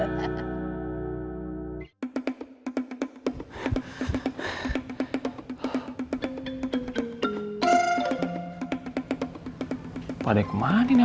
itu daging dosisnya